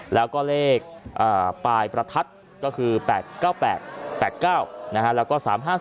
แล้วก็เลขปลายประทัดก็คือ๘๙๘๘๙แล้วก็๓๕๔